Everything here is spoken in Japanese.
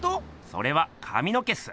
それはかみの毛っす。